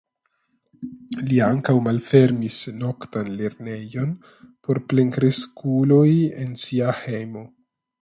Li ankaŭ malfermis "noktan lernejon" por plenkreskuloj en sia hejmo.